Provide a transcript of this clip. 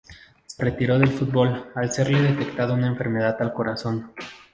Se retiró del fútbol al serle detectado una enfermedad al corazón.